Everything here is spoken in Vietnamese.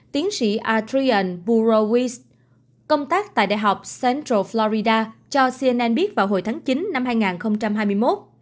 tiến sĩ atrian burowis công tác tại đại học central florida cho cnn biết vào hồi tháng chín năm hai nghìn hai mươi một